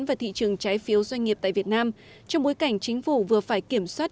và thị trường trái phiếu doanh nghiệp tại việt nam trong bối cảnh chính phủ vừa phải kiểm soát